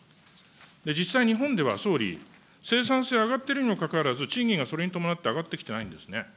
実際、日本では総理、生産性上がってるにもかかわらず、賃金がそれに伴って上がってきてないんですね。